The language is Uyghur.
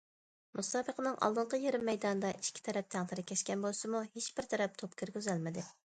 مۇسابىقىنىڭ ئالدىنقى يېرىم مەيدانىدا، ئىككى تەرەپ تەڭ تىركەشكەن بولسىمۇ، ھېچ بىر تەرەپ توپ كىرگۈزەلمىدى.